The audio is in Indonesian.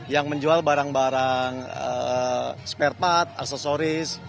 yang menjual barang barang spare part aksesoris